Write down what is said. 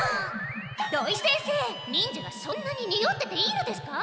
土井先生忍者がそんなににおってていいのですか？